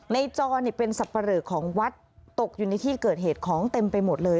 จอเป็นสับปะเหลอของวัดตกอยู่ในที่เกิดเหตุของเต็มไปหมดเลย